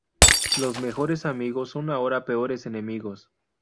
Los mejores amigos son ahora peores enemigos.